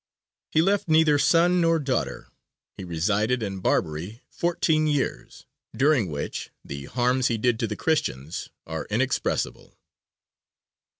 He left neither son nor daughter. He resided in Barbary fourteen years, during which the harms he did to the Christians are inexpressible."